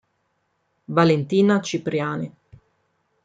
Valentina Cipriani